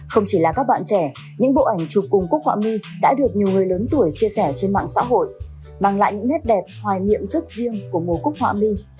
không chỉ là các bạn trẻ những bộ ảnh chụp cùng cúc họa mi đã được nhiều người lớn tuổi chia sẻ trên mạng xã hội mang lại những nét đẹp hoài niệm rất riêng của mùa cúc họa mi